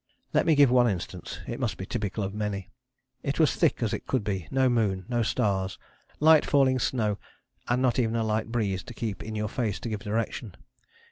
Let me give one instance: it must be typical of many. It was thick as it could be, no moon, no stars, light falling snow, and not even a light breeze to keep in your face to give direction.